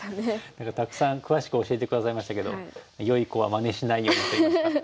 何かたくさん詳しく教えて下さいましたけどよい子はまねしないようにといいますか。